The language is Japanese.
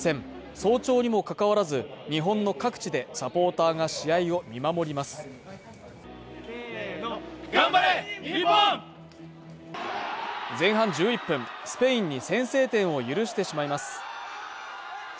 早朝にもかかわらず日本の各地でサポーターが試合を見守ります前半１１分スペインに先制点を許してしまいます